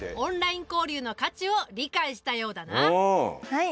はい！